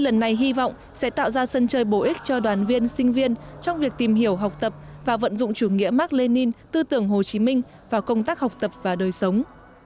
lần này hy vọng sẽ tạo ra sân chơi bổ ích cho đoàn viên sinh viên trong việc tìm hiểu học tập và vận dụng chủ nghĩa mark lenin tư tưởng hồ chí minh vào công tác học tập và đời sống